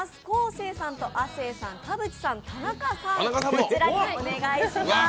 昴生さんと亜生さん、田渕さん、田中さん、こちらにお願いします。